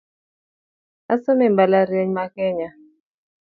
Osomo e mbalariany ma Kenya